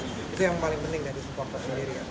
itu yang paling penting dari supporter sendiri ya